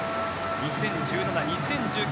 ２０１７、２０１９